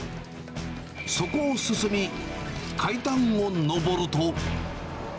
そこを進み、階段を上ると。